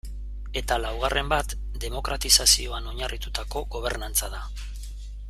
Eta laugarren bat demokratizazioan oinarritutako gobernantza da.